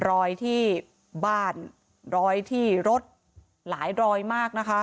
รอยที่บ้านรอยที่รถหลายรอยมากนะคะ